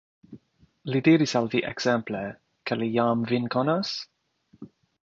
Li diris al vi ekzemple, ke li jam vin konas?